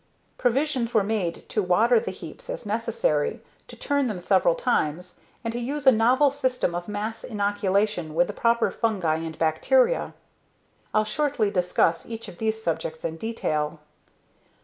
Provisions were made to water the heaps as necessary, to turn them several times, and to use a novel system of mass inoculation with the proper fungi and bacteria. I'll shortly discuss each of these subjects in detail.